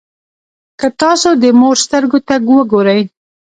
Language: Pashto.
که تاسو د مور سترګو ته وګورئ.